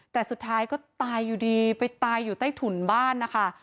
แต่สุดท้ายก็ตายอยู่ดีไปตายอยู่ใต้ถุนบ้านนะคะ